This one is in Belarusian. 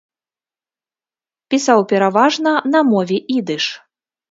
Пісаў пераважна на мове ідыш.